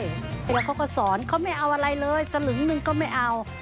เสร็จแล้วเขาก็สอนเขาไม่เอาอะไรเลยสลึงหนึ่งก็ไม่เอา